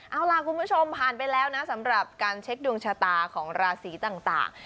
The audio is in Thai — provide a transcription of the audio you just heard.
เอาล่ะคุณผู้ชมผ่านไปแล้วนะสำหรับการเช็คดวงชะตาของราศีต่าง